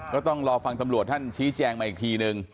ก็ต้องลองตำรวจท่านชี้แจงครับมาอีกทีหนึ่ง